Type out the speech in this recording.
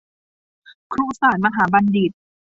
ครุศาสตร์มหาบัณฑิต